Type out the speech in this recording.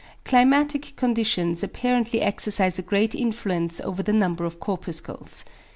=Climatic conditions= apparently exercise a great influence over the number of corpuscles.